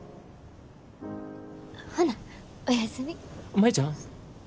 舞ちゃん。